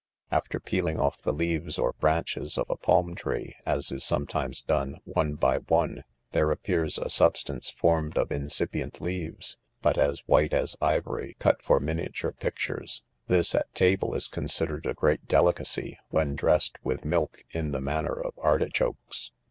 After peeling off the leaves or branches of a palm free, as is sometimes done, one by one, there appears a sub stance formed of incipient leaves, but as white as ivory cut for miniature pictures ; this, at table, is considered a great delicacy, when dressed with milk in the manner of artichokes.